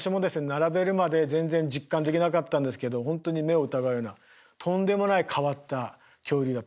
並べるまで全然実感できなかったんですけど本当に目を疑うようなとんでもない変わった恐竜だと。